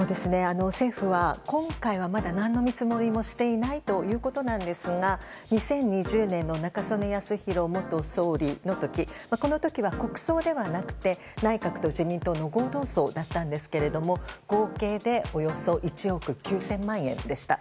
政府は、今回はまだ何の見積もりもしていないということなんですが２０２０年の中曽根康弘元総理の時この時は国葬ではなくて内閣と自民党の合同葬だったんですけれども合計でおよそ１億９０００万円でした。